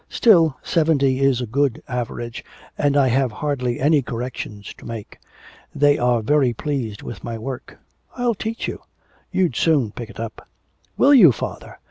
Still, seventy is a good average, and I have hardly any corrections to make. They are very pleased with my work.... I'll teach you you'd soon pick it up.' 'Will you, father?